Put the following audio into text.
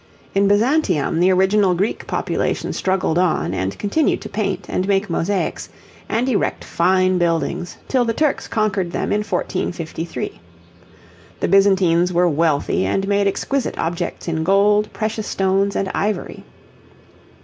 In Byzantium the original Greek population struggled on, and continued to paint, and make mosaics, and erect fine buildings, till the Turks conquered them in 1453. The Byzantines were wealthy and made exquisite objects in gold, precious stones, and ivory.